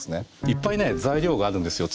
いっぱい材料があるんですよ